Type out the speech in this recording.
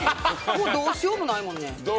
もうどうしようもないもんね。